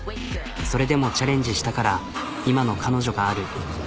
それでもチャレンジしたから今の彼女がある。